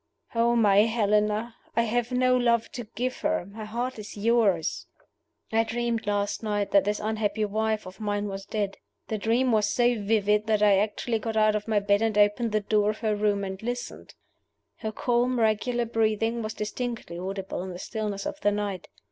"Oh, my Helena! I have no love to give her. My heart is yours. "I dreamed last night that this unhappy wife of mine was dead. The dream was so vivid that I actually got out of my bed and opened the door of her room and listened. "Her calm, regular breathing was distinctly audible in the stillness of the night.